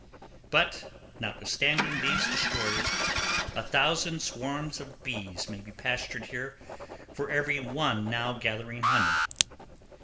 But notwithstanding these destroyers, a thousand swarms of bees may be pastured here for every one now gathering honey.